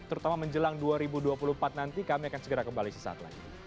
terutama menjelang dua ribu dua puluh empat nanti kami akan segera kembali sesaat lagi